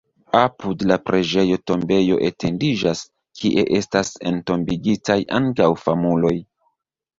Apud la preĝejo tombejo etendiĝas, kie estas entombigitaj ankaŭ famuloj.